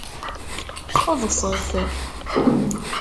Ḍset!